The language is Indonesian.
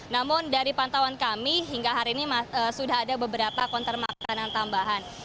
namun dari pantauan kami hingga hari ini sudah ada beberapa konter makanan tambahan